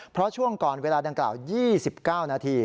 เพราะช่วงก่อนเวลาดังกล่าว๒๙นาที